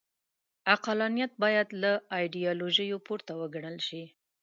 عقلانیت باید له ایډیالوژیو پورته وګڼل شي.